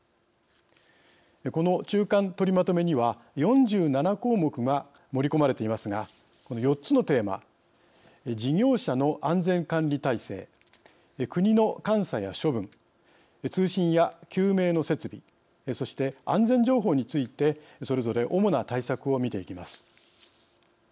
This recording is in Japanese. この中間とりまとめには４７項目が盛り込まれていますがこの４つのテーマ事業者の安全管理体制国の監査や処分通信や救命の設備そして、安全情報についてそれぞれ主な対策を見ていきます。